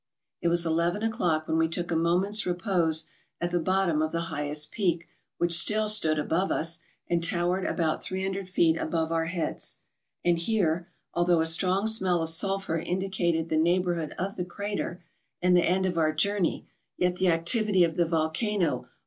It was eleven o'clock when we took a moment's repose at the bottom of the highest peak which still stood above us, and towered about 300 feet above our lieads. And here, although a strong smell of sulphur indicated the neighbourhood of the crater and the end of our journey, yet the activity of the volcano ASCENT OF THE GUNUNG.